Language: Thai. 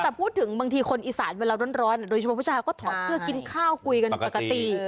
แต่พูดถึงบางทีคนอีสานเวลาร้อนโดยเฉพาะผู้ชายก็ถอดเสื้อกินข้าวคุยกันปกติ